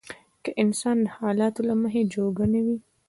که انسان د حالاتو له مخې جوګه نه وي.